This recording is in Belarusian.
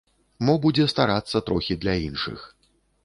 Мо будзе старацца трохі для іншых.